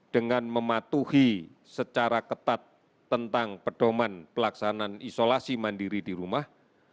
dengan mematuhi secara ketat tentang pedoman pelaksanaan isolasi mandiri di rumah